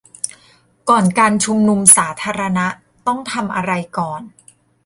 ก่อนการชุมนุมสาธารณะต้องทำอะไรก่อน